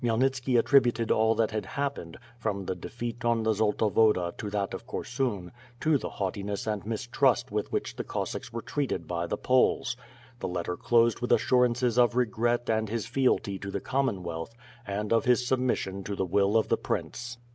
Khmyelnitski attributed all that had happened, from the de feat on the Zolta Woda to that of Korsun, to the haughtiness and mistrust with which the Cossacks were treated by the Poles. The letter closed with assurances of regret and his fealty to the Commonwealth, and of his submission to the will of the prince.